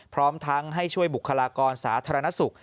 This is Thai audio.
พร้อมทั้งให้ช่วยบุคลากรสาธารณสุข